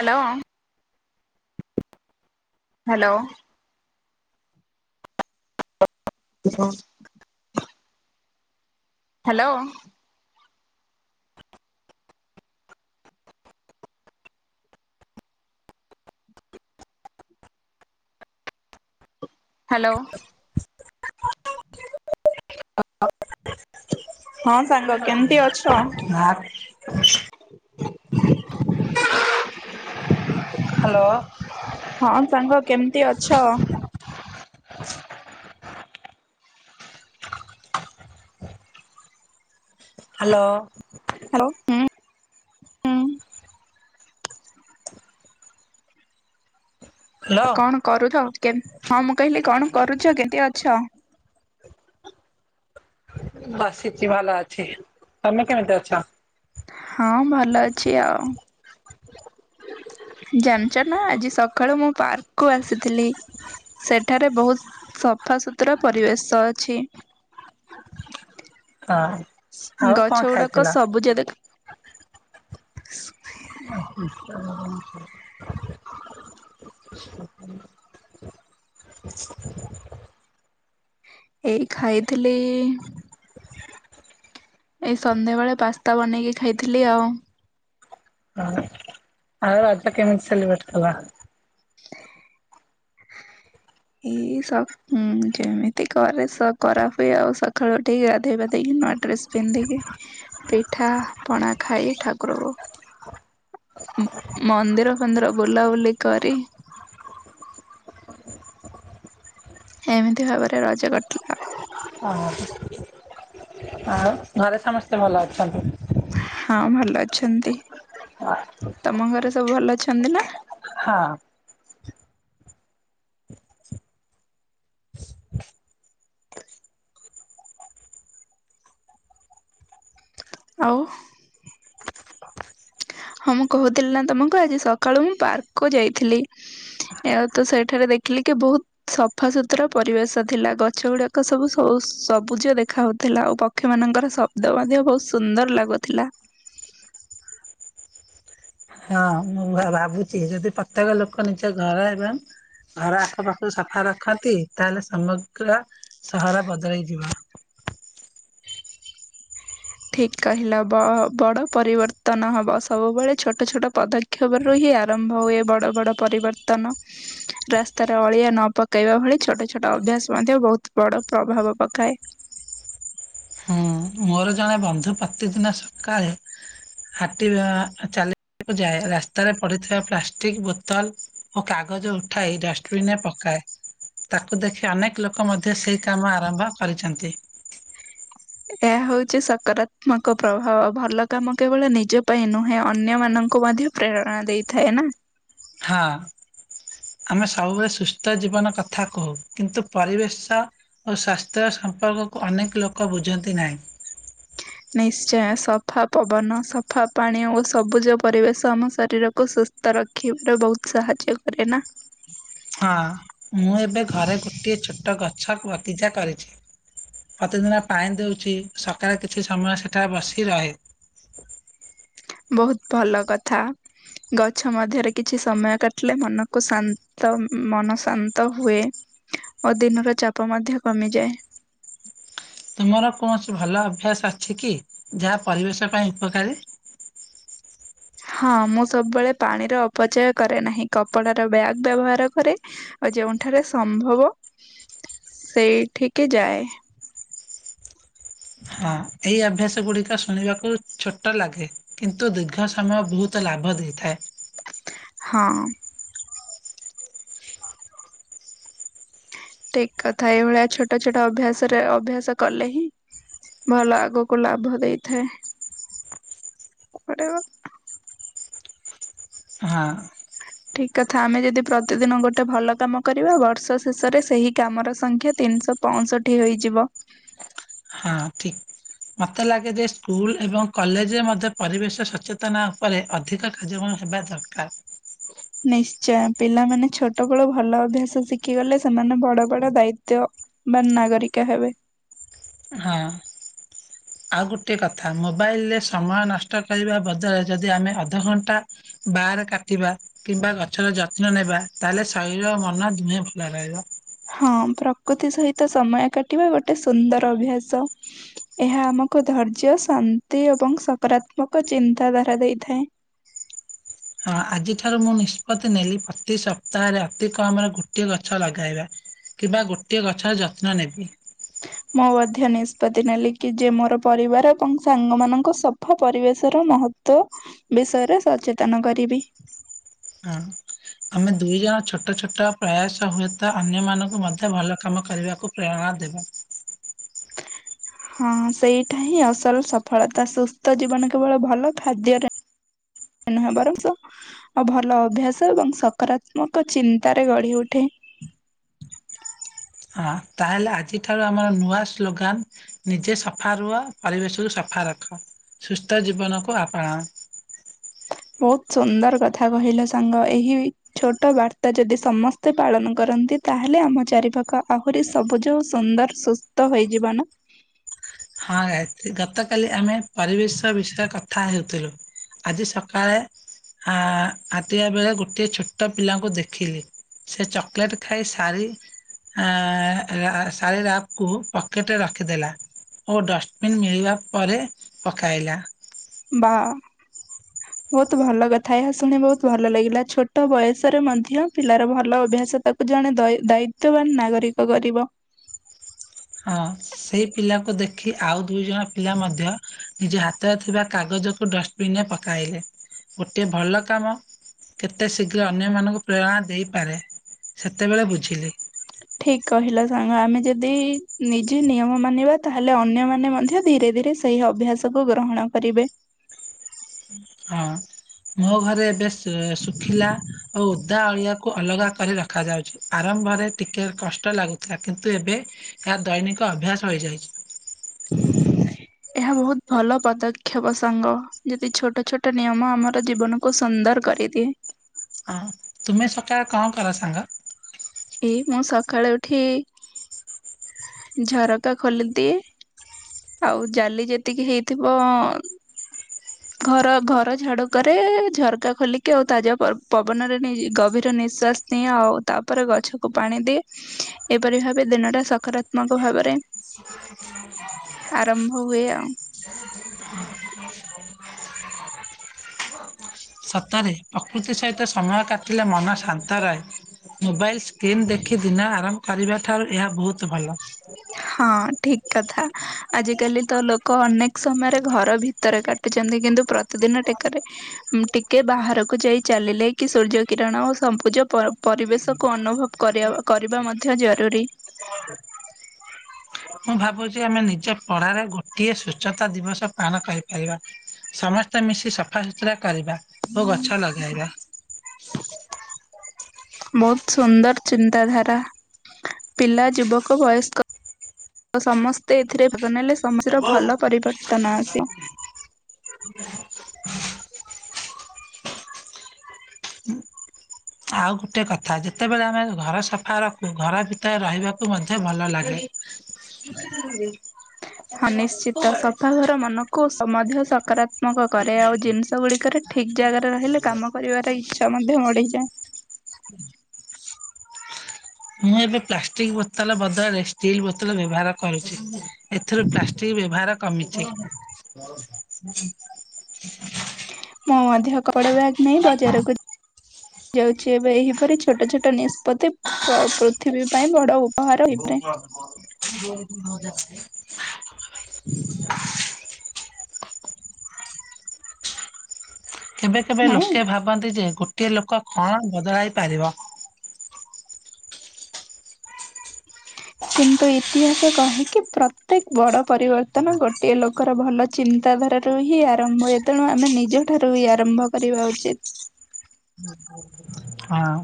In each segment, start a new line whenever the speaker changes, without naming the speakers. Hello. Hello. ତୁ କଁ hello. Hello.
[inaudible]
ହଁ ସାଙ୍ଗ କେମିତି ଅଛ?
[unintelligible] ହାଲୋ।
ହଁ ସାଙ୍ଗ କେମତି ଅଛ?
ହାଲୋ।
ହାଲୋ।
ହ୍ୟାଲୋ
କଣ କରୁଥ କେମ୍ ହଁ ମୁଁ କହିଲି କଣ କରୁଚ କେତି ଅଛ?
ବସିଚି ଭଲ ଅଛି। ତମେ କେମିତି ଅଛ?
ହଁ ଭଲ ଅଛି ଆଉ। ଜାଣିଚ ନାଁ ଆଜି ସଖାଳୁ ମୁଁ ପାର୍କକୁ ଆସିଥିଲି। ସେଠାରେ ବହୁତ ସଫା ସୁତୁରା ପରିବେଶ ଅଛି।
ହଁ। ଆଉ କଣ
ଗଛ ଉଡ଼ାକ
ଖାଇଥିଲ?
ସବୁଜ ଦେଖ୍
ଓହୋ ତାର ହୁଁ।
ଏଇ ଖାଇଥିଲି ଏଇ ସନ୍ଧ୍ୟାବେଳେ ପାସ୍ତା ବନେଇକି ଖାଇଥିଲି ଆଉ।
ଅ ଆଉ ରଜ କେମିତି ସେଲିବ୍ରେଟ୍ କଲ?
[unintelligible] ଇ ସ ହୁଁ ଯେମିତି କରେ ସ କରା ହୁଏ ଆଉ ସଖାଳୁ ଉଠି ଗାଧେଇ ପାଧେଇକି ନୂଆ ଡ୍ରେସ ପିନ୍ଧିକି ପିଠା ପଣା ଖାଇ ଠାକୁରକୁ ଉଁ ମନ୍ଦିର ଫନ୍ଦିର ବୁଲାବୁଲି କରି ହେମିତି ଭାବରେ ରଜ କଟିଲା ଆଉ।
ହଁ ଏଥର ଘରେ ସମସ୍ତେ ଭଲ ଅଛନ୍ତି?
ହଁ ଭଲ ଅଛନ୍ତି।
ହଁ।
ତମ ଘରେ ସବୁ ଭଲ ଅଛନ୍ତି ନାଁ?
ହଁ।
ଆଉ ହଁ ମୁଁ କହୁଥିଲି ନାଁ ତମକୁ ଆଜି ସଖାଳୁ ମୁଁ ପାର୍କକୁ ଯାଇଥିଲି। ଏ ଆଉ ତ ସେଇଠାରେ ଦେଖିଲି କି ବହୁ ସଫା ସୁୁତୁରା ପରିବେଶ ଥିଲା ଗଛ ଉଡ଼ାକ ସବୁ ସଉ ସବୁଜ ଦେଖା ହଉଥୁଲା ଆଉ ପ କ୍ଷୀମାନଙ୍କର ଶବ୍ଦ ମଧ୍ୟ ବହୁ ସୁନ୍ଦର ଲାଗୁଥିଲା।
ହେଅ ମୁଁ ମୁଁ ଭା ଭାବୁଚି ଯଦି ପ୍ରତ୍ୟେକ ଲୋକ ନିଜ ଘର ଏବଂ ଘର ଆଖପାଖକୁ ସଫା ରଖନ୍ତି ତାହେଲେ ସମଗ୍ର ସହର ବଦଳେଇ ଯିବ।
ଠିକ୍ କହିଲ ବ ବଡ଼ ପରିବର୍ତ୍ତନ ହବ ସବୁବେଳେ ଛୋଟ ଛୋଟ ପଦ କ୍ଷେବରୁ ହିଁ ଆରମ୍ଭ ହୁଏ ବଡ଼ ବଡ଼ ପରିବର୍ତ୍ତନ। ରାସ୍ତାରେ ଅଳିଆ ନ ପକାଇବା ଭଳି ଛୋଟ ଛୋଟ ଅଭ୍ୟାସ ମଧ୍ୟ ବହୁତ ବଡ଼ ପ୍ରଭାବ ପକାଏ।
ହୁଁ ଉଁ ମୋର ଜଣେ ବନ୍ଧୁ ପ୍ରତିଦିନ ସକାଳେ ହାଟି ବା ଚାଲି କୁ ଯାଏ ରାସ୍ତାରେ ପଡ଼ିଥିବା ପ୍ଲାଷ୍ଟିକ୍ ବୋତଲ୍ ଓ କାଗଜ ଉଠାଇ ଡଷ୍ଟବିନ୍ ରେ ପକାଏ। ତାକୁ ଦେଖି ଅନେକ ଲୋକ ମଧ୍ୟ ସେଇ କାମ ଆରମ୍ଭ କରିଛନ୍ତି।
ଏଟା ହଉଚି ସକାରାତ୍ମକ ପ୍ରଭାବ ଭଲ କାମ କେବଳ ନିଜ ପାଇଁ ନୁହେଁ ଅନ୍ୟମାନଙ୍କୁ ମଧ୍ୟ ପ୍ରେରଣା ଦେଇଥାଏନା।
ହଁ। ଆମେ ସବୁବେଳେ ସୁସ୍ଥ ଜୀବନ କଥା କହୁ କିନ୍ତୁ ପରିବେଶ ଓ ସ୍ଵାସ୍ଥ୍ୟ ସମ୍ପର୍କକୁ ଅନେକ ଲୋକ ବୁଝନ୍ତି ନାହିଁ।
ନିଶ୍ଚୟ ସଫା ପବନ ସଫା ପାଣି ଓ ସବୁଜ ପରିବେଶ ଆମ ଶରୀରକୁ ସୁସ୍ଥ ରଖ ରଖିବାରେ ବହୁତ୍ ସାହାଯ୍ୟ କରେନା।
ହଁ। ମୁଁ ଏବେ ଘରେ ଗୋ ଗୋଟିଏ ଛୋଟ ଗଛ ବଗିଚା କରିଛି। ପ୍ରତିଦିନ ପାଣି ଦଉଚି ସକାଳେ କିଛି ସମୟ ସେଠାରେ ବସି ରହେ।
ବହୁତ୍ ଭଲ କଥା। ଗଛ ମଧ୍ୟରେ କିଛି ସମୟ କାଟିଲେ ମନକୁ ଶାନ୍ତ ମନ ଶାନ୍ତ ହୁଏ। ଓ ଦିନର ଚାପ ମଧ୍ୟ କମିଯାଏ।
ତୁମର କୌଣସି ଭଲ ଅଭ୍ୟାସ ଅଛିକି ଯାହା ପରିବେଶ ପାଇଁ ଉପକାରୀ?
ହଁ ମୁଁ ସବୁବେଳେ ପାଣିର ଅପଚୟ କରେ ନାହିଁ କପଡ଼ାର ବ୍ୟାଗ୍ ବ୍ୟବହାର କରେ ଆଉ ଯେଉଁଠାରେ ସମ୍ଭବ ସେଇଠିକି ଯାଏ।
ହଁ ଏଇ ଅଭ୍ୟାସ ଗୁଡ଼ିକ ଶୁଣିବାକୁ ଛୋଟ ଲାଗେ। କିନ୍ତୁ ଦୀର୍ଘ ସମୟ ବହୁତ୍ ଲାଭ ଦେଇଥାଏ।
ହଁ। ଠିକ୍ କଥା ଏଇଭଳିଆ ଛୋଟ ଛୋଟ ଅଭ୍ୟାସରେ ଅଭ୍ୟାସ କଲେ ହିଁ ଭଲ ଆଗକୁ ଲାଭ ଦେଇଥାଏ।
ହଁ।
ଠିକ୍ କଥା ଆମେ ଯଦି ପ୍ରତିଦିନ ଗୋଟେ ଭଲ କାମ କରିବା ବର୍ଷ ଶେଷରେ ସେହି କାମର ସଂଖ୍ୟା ତିନିଶ ପଅଷଠି ହେଇଯିବ।
ହଁ ଠିକ୍। ମତେ ଲାଗେ ଯେ ସ୍କୁଲ ଏବଂ କଲେଜରେ ମଧ୍ୟ ପରିବେଶ ସଚେତନ ଉପରେ ଅଧିକ କାର୍ଯ୍ୟକମ ହେବା ଦରକାର୍।
ନିଶ୍ଚୟ ପିଲାମାନେ ଛୋଟ ବେଳୁ ଭଲ ଅଭ୍ୟାସ ଶିଖିଗଲେ ସେମାନେ ବଡ଼ ବଡ଼ ଦାୟିତ୍ଵ ବା ନାଗରିକା ହେବେ।
ହଁ। ଆଉ ଗୋଟିଏ କଥା ମୋବାଇଲରେ ସମୟ ନଷ୍ଟ କରିବା ବଦଳରେ ଯଦି ଆମେ ଅଧଘଣ୍ଟା ବାଆରେ କାଟିବା କିମ୍ବା ଗଛର ଯତ୍ନ ନେବା ତାହେଲେ ଶରୀର ଓ ମନ ଦୁହେଁ ଭଲ ରହିବ।
ହଁ ପ୍ରକୃତି ସହିତ ସମୟ କାଟିବା ଗୋଟେ ସୁନ୍ଦର ଅଭ୍ୟାସ। ଏହା ଆମକୁ ଧୈର୍ଯ୍ୟ ଶାନ୍ତି ଏବଂ ସକାରାତ୍ମକ ଚିନ୍ତା ଧାରା ଦେଇଥାଏ।
ହଁ ଆଜିଠାରୁ ମୁଁ ନିଷ୍ପତି ନେଲି ପ୍ରତି ସପ୍ତାହରେ ଅତି କମରେ ଗୋଟିଏ ଗଛ ଲଗାଇବା। କିବା ଗୋଟିଏ ଗଛର ଯତ୍ନ ନେବି।
ମୁଁ ମଧ୍ୟ ନିଷ୍ପତି ନେଲିକି ଯେମୋର ପରିବାର ଏବଂ ସାଙ୍ଗ ମାନଙ୍କ ସଫା ପରିବେଶର ମହ ତ୍ୱ ବିଷୟରେ ସଚେତନ କରିବି।
ହଁ। ଆମେ ଦୁଇ ଜଣ ଛୋଟ ଛୋଟ ପ୍ରୟାସ ହୁଏତ ଅନ୍ୟ ମାନଙ୍କୁ ମଧ୍ୟ ଭଲ କାମ କରିବାକୁ ପ୍ରେରଣା ଦେବା।
ହଁ ସେଇଟା ହିଁ ଅସଲ ସଫଳତା ସୁସ୍ଥ ଜୀବନ କେବଳ ଭଲ ଖାଦ୍ୟରେ [unintelligible] ଅ ଭଲ ଅଭ୍ୟାସ ଏବଂ ସକାରାତ୍ମକ ଚିନ୍ତାରେ ଗଢ଼ି ଉଠେ।
ହଁ ତାହେଲେ ଆଜିଠାରୁ ଆମର ନୂଆ ସ୍ଲୋଗାନ ନିଜେ ସଫା ରୁହ ପରିବେଶକୁ ସଫା ରଖ ସୁସ୍ଥ ଜୀବନକୁ ଆପଣାଅ।
ବହୁତ୍ ସୁନ୍ଦର କଥା କହିଲ ସାଙ୍ଗ ଏହି ଛୋଟ ବାର୍ତ୍ତା ଯଦି ସମସ୍ ତେ ପାଳନ କରନ୍ତି ତାହେଲେ ଆମ ଚାରିପାଖ ଆହୁରି ସବୁଜ ଓ ସୁନ୍ଦର ସୁସ୍ଥ ହୋଇଯିବନା।
ହଁ ଗାୟତ୍ରୀ ଗତକାଲି ଆମେ ପରିବେଶ ବିଷୟରେ କଥା ହେଉଥିଲୁ। ଆଜି ସକାଳେ ହାଁ ଆତିଆ ବେଳେ ଗୋଟିଏ ଛୋଟ ପିଲାଙ୍କୁ ଦେଖିଲି। ସେ ଚକୋଲେଟ ଖାଇ ସାରି ଆ ଆ ସାରି ରାପକୁୁ ପକେଟରେ ରଖିଦେଲା। ଓ ଡଷ୍ଟବିନ୍ ମିଳିବା ପରେ ପକାଇଲା।
ବା ଓ।
[inaudible]
ବହୁତ ଭଲ କଥା ଏହା ଶୁଣି ବହୁତ ଭଲ ଲାଗିଲା ଛୋଟ ବୟସରେ ମଧ୍ୟ ପିଲାର ଭଲ ଅଭ୍ୟାସ ତା ଜଣେ ଦୈ ଦାୟିତ୍ୱବାନ ନାଗରିକ କରିବ।
ହଁ ସେଇ ପିଲାକୁ ଦେଖି ଆଉ ଦୁଇ ଜଣ ପିଲା ମଧ୍ୟ ନିଜ ହାତରେ ଥିବା କାଗଜ ଡଷ୍ଟବିନ ରେ ପକାଇଲେ ଗୋଟେ ଭଲ କାମ କେତେ ଶୀଘ୍ର ଅନ୍ୟମାନଙ୍କୁ ପ୍ରେରଣା ଦେଇପାରେ ସେତେବେଳେ ବୁଝିଲି।
ଠିକ କହିଲ ସାଙ୍ଗ ଆମେ ଯଦି ନିଜେ ନିୟମ ମାନିବା ତାହେଲେ ଅନ୍ୟମାନେ ମଧ୍ୟ ଧୀରେ ଧୀରେ ସେ ସେହି ଅଭ୍ୟାସକୁୁ ଗ୍ରହଣ କରିବେ।
ହଁ। ମୋ ଘରେ ଏବେ ଶୁ ଶୁଖିଲା ଓ ଓଦା ଅଳିଆକୁ ଅଲଗା କରି ରଖାଯାଉଛି ଆରମ୍ଭରେ ଟିକେ କଷ୍ଟ ଲାଗୁଥିଲା କିନ୍ତୁ ଏବେ ଏହା ଦୈନିକ ଅଭ୍ୟାସ ହୋଇଯାଇଛି। [inaudible]
ଏହା ବହୁତ ଭଲ ପଦକ୍ଷେପ ସାଙ୍ଗ ଯଦି ଛୋଟ ଛୋଟ ନିୟମ ଆମର ଜୀବନ କୁ ସୁନ୍ଦର କରିଦିଏ।
ହଁ ତୁମେ ସକାଳେ କଣ କର ସାଙ୍ଗ?
ଏଇ ମୁଁ ସକାଳ ଉଠି ଝରକା ଖୋଲିଦିଏ। ଆଉ ଜାଲି ଯେତିକି ହେଇଥିବ ଅ ଅ ଘର ଘର ଝାଡୁକରେ ଝରକା ଖୋଲିକି ଆଉ ତାଜା ପବନରେ ଗଭୀର ନିଶ୍ୱାସ ନିଏ ଆଉ ତାପରେ ଗଛକୁ ପାଣି ଦିଏ। ଏପରି ଭାବେ ଦିନଟା ସକାରାତ୍ମକ ଭାବରେ
[inaudible]
ଆରମ୍ଭ ହୁଏ ଆଉ।
[inaudible] ସତରେ ପ୍ରକୃତି ସହିତ ସମୟ କାଟିଲେ ମନ ଶାନ୍ତ ରହେ। ମୋବାଇଲ୍ ସ୍କ୍ରିନ୍ ଦେଖି ଦିନ ଆରମ୍ଭ କରିବା ଠାରୁ ଏହା ବହୁତ ଭଲ।
ହଁ ଠିକ୍ କଥା ଆଜିକାଲି ତ ଲୋକ ଅନେକ ସମୟରେ ଘର ଭିତରେ କାଟ ଟୁଛନ୍ତି କିନ୍ତୁ ପ୍ରତିଦିନ ଟେକରେ ମ୍ ଟିକେ ବାହାରକୁ ଯାଇ ଚାଲିଲେ କି ସୂର୍ଯ୍ୟ କିରଣ ଓ ସମ୍ପୁଜ ପ ପରିବେଶକୁ ଅନୁଭବ- କରିବା କରିବା ମଧ୍ୟ ଜରୁରୀ। [unintelligible]
ମୁଁ ଭାବୁଛି ଆମେ ନିଜ ପଢାରେ ଗୋଟିଏ ସ୍ଵଚ୍ଛତା ଦିବସ ପାଳନ କରିପାରିବା। ସମସ୍ତେ ମିଶି ସଫାସୁତୁରା କରିବା ଓ ଗଛ ଲଗାଇବା। [inaudible]
ବହୁତ ସୁନ୍ଦର ଚିନ୍ତାଧାରା। ପିଲା ଯୁବକ ବୟସ୍କ ସମସ୍ତେ ଏଥିରେ ଭାଗ ନେଲେ ସମାଜର ଭଲ ପରିବର୍ତ୍ତନ ଆସି
ଆଉ ଗୋଟେ କଥା ଯେତେବେଳେ ଆମେ ଘର ସଫା ରଖୁ ଘର ଭିତରେ ରହିବାକୁ ମଧ୍ୟ ଭଲ ଲାଗେ। [inaudible]
ତ ମନକୁ ସ ମଧ୍ୟ ସକରା- ତ୍ମକ, କରେ ଆଉ ଜିନିଷ ଗୁଡିକରେ ଠିକ୍ ଜାଗାରେ ରହିଲେ କାମ କରିବାର ଇଚ୍ଛା ମଧ୍ୟ ବଢିଯାଏ।
ମୁଁ ଏବେ ପ୍ଲାଷ୍ଟିକ ବୋତଲ ବଦଳରେ ଷ୍ଟିଲ୍ ବୋତଲ ବ୍ୟବହାର କରୁଛି। ଏଥିରୁ ପ୍ଲାଷ୍ଟିକ ବ୍ୟବହାର କମିଛି।
ମୋ ମଧ୍ୟ କପଡା ବ୍ୟାଗ ନେଇ ବଜାରକୁ ଯାଉଛି ଏବେ ଏହିପରି ଛୋଟ ଛୋଟ ନିଷ୍ପତ୍ତି ପ୍ର ପୃଥିବୀ ପାଇଁ ବଡଉ
[inaudible] କେବେ କେବେ
ନାଇଁ।
ଲୋକେ ଭାବନ୍ତି ଯେ ଗୋଟିଏ ଲୋକ କଣ ବଦଳାଇ ପାରିବ?
କିନ୍ତୁ ଇତିହାସ କହେକି ପ୍ରତ୍ୟେକ ବଡ ପରିବର୍ତ୍ତନ ଗୋଟିଏ ଲୋକ ଙ୍କର ଭଲ ଚିନ୍ତାଧାରାରୁ ହିଁ ଆରମ୍ଭ ହୁଏ ତେଣୁ ଆମେ ନିଜ ଠାରୁ ହିଁ ଆରମ୍ଭ କରିବା ଉଚିତ୍।
ହଁ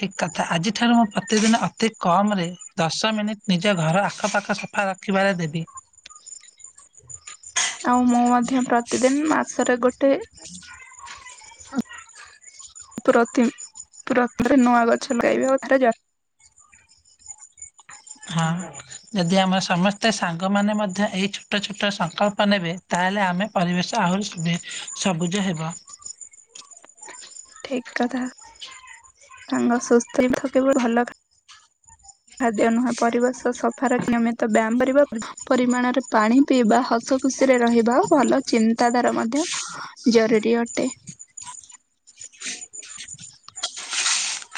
ଠିକ୍ କଥା ଆଜିଠାରୁ ମୁଁ ପ୍ରତିଦିନ ଅତି କମ୍ ରେ- ଦଶ ମିନିଟ୍ ନିଜ ଘର ଆଖପାଖ ସଫା ରଖିବାରେ ଦେବି।
ଆଉ ମୁଁ ମଧ୍ୟ ପ୍ରତିଦିନ ମାସରେ ଗୋଟେ
[inaudible]
[inaudible]
ହଁ ଯଦି ଆମ ସମସ୍ତେ ସାଙ୍ଗମାନେ ମଧ୍ୟ ଏଇ ଛୋଟ ଛୋଟ ସଂକଳ୍ପ ନେବେ ତାହେଲେ ଆମେ ପରିବେଶ ଆହୁରି ଦେଇ ସବୁଜ ହେବ।
ଠିକ୍ କଥା, ସାଙ୍ଗ ସୁସ୍ଥ [inaudible] ଭଲ ଖା ଖାଦ୍ୟ ନୁହଁ ପରିବେଶ ସଫାର ନିୟମିତ ବ୍ୟାୟାମ କରିବା ପରିମାଣରେ ପାଣି ପିଇବା ହସ ଖୁସିରେ ରହିବା ଭଲ ଚିନ୍ତାଧାରା ମଧ୍ୟ ଜରୁରୀ ଅଟେ।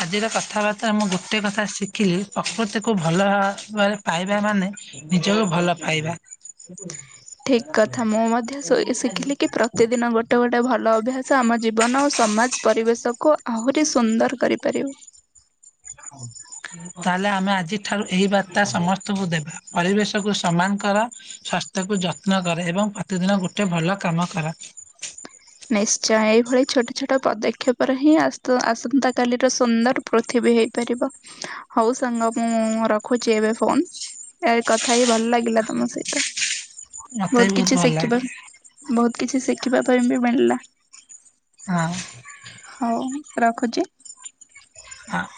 ଆଜିର କଥାବାର୍ତ୍ତା ମୁଁ ଗୋଟିଏ କଥା ଶିଖିଲି ପ୍ରକୃତିକୁ ଭଲ ଭାବରେ ପାଇବା ମାନେ ନିଜକୁ ଭଲ ପାଇବା। [inaudible]
ଠିକ୍ କଥା ମୁଁ ମଧ୍ୟ ଶୋଇଲି ଶିଖିଲି କି ପ୍ରତିଦିନ ଗୋଟେ ଗୋଟେ ଗୋଟେ ଭଲ ଅଭ୍ୟାସ ଆମ ଜୀବନ ଆଉ ସମାଜ ପରିବେଶକୁୁ ଆହୁରି ସୁନ୍ଦର କରିପାରିବୁ।
[inaudible] ତାହେଲେ ଆମେ ଆଜି ଠାରୁ ଏହିଇ ବାର୍ତା ସମସ୍ତଙ୍କୁ ଦେବା ପରିବେଶ କୁ ସମାନ କର ସଵାସ୍ଥ୍ୟକୁୁ ଯତ୍ନ କରେ ଏବଂ ପ୍ରତିଦିନ ଗୋଟେ ଭଲ କାମ କର।
ନିଶ୍ଚୟ ଏଇଭଳି ଛୋଟ ଛୋଟ ପଦକ୍ଷେପରେ ହିଁ ଆସନ୍ତା କଲିର ସୁନ୍ଦର ପୃଥିବୀ ହେଇ ହଉ ସାଙ୍ଗ ମୁଁ ରଖୁଛି ଏବେ ଫୋନ। ଏ କଥା ହି ଭଲ ଲାଗିଲା ତମ ସହିତ।
ମତେ ବି
ବହୁତ କିଛି
ଭଲ
ଶିଖିବ
ଲାଗେ
ବହୁତ କିଛି ଶିଖିବା ପାଇଁ ବି ମିଳିଲା।
ହଁ
ହଉ ରଖୁଛି?
ହଁ